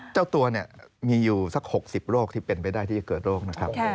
เจ้าตัวเนี่ยมีอยู่สัก๖๐โรคที่เป็นไปได้ที่จะเกิดโรคนะครับ